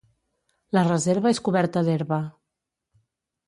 La reserva és coberta d'herba.